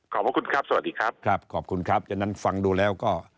ขอบคุณครับสวัสดีครับครับขอบคุณครับฉะนั้นฟังดูแล้วก็